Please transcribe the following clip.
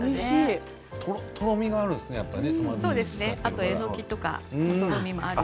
とろみがあるんですね、やっぱり。